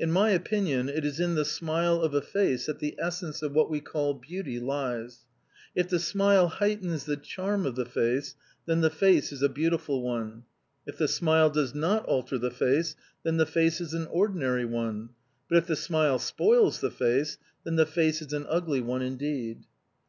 In my opinion, it is in the smile of a face that the essence of what we call beauty lies. If the smile heightens the charm of the face, then the face is a beautiful one. If the smile does not alter the face, then the face is an ordinary one. But if the smile spoils the face, then the face is an ugly one indeed.